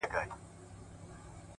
• هم غل هم غمخور ,